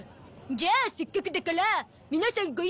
じゃあせっかくだから皆さんご一緒に！